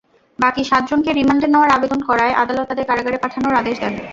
বাকি সাতজনকে রিমান্ডে নেওয়ার আবেদন করায় আদালত তাঁদের কারাগারে পাঠানোর আদেশ দেন।